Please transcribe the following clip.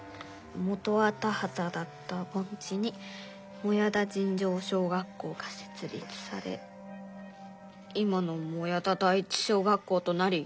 「元は田はただったぼん地に靄田尋常小学校がせつ立され今の靄田第一小学校となり」。